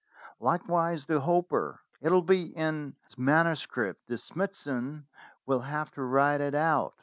likewise the Hopper. It will be in manuscript, and Smithson will have to write it out.